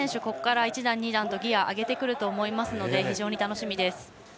ここから１段２段とギヤを上げてくると思いますので非常に楽しみです。